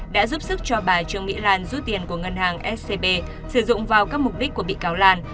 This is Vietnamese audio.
đã giúp sức cho bà trương mỹ lan rút tiền của ngân hàng scb sử dụng vào các mục đích của bị cáo lan